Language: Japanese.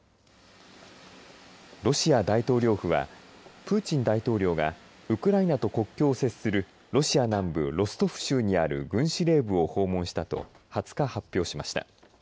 ロシア大統領府はプーチン大統領がウクライナと国境を接するロシア南部ロストフ州にある軍司令部を訪問したと２０日発表しました。